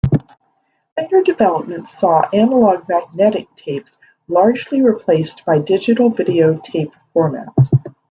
Later developments saw analog magnetic tapes largely replaced by digital video tape formats.